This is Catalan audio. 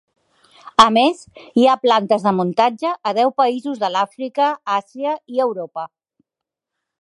A més, hi ha plantes de muntatge a deu països de l'Àfrica, Àsia i Europa.